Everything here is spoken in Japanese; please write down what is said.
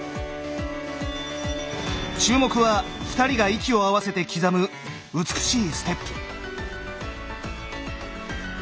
注目は２人が息を合わせて刻む美しいステップ。